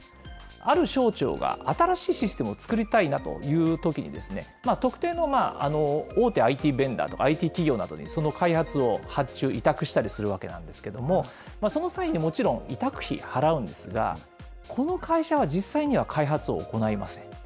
ある省庁が、新しいシステムを作りたいなというときに、特定の大手ＩＴベンダーとかＩＴ企業などに、その開発を発注・委託するわけなんですけれども、その際にもちろん、委託費払うんですが、この会社は実際には、開発を行いません。